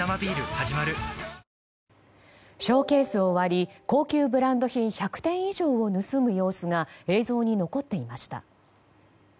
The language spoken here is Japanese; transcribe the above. はじまるショーケースを割り高級ブランド品１００点以上を盗む様子が映像に残っていました。